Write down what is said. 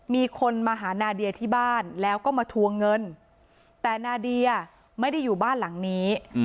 มีคนมาหานาเดียที่บ้านแล้วก็มาทวงเงินแต่นาเดียไม่ได้อยู่บ้านหลังนี้